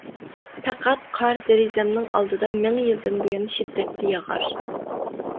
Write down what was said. پەقەت قار دېرىزەمنىڭ ئالدىدا مىڭ يىلدىن بۇيان شىددەتتە ياغار.